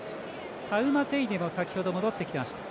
タウマテイネも先ほど戻ってきました。